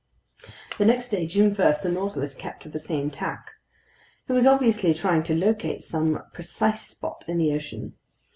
The next day, June 1, the Nautilus kept to the same tack. It was obviously trying to locate some precise spot in the ocean.